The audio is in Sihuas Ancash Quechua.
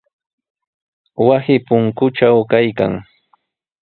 Wasi punkutraw kaykan.